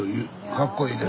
かっこいいです。